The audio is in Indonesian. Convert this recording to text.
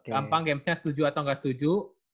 gampang gamenya setuju atau enggak setuju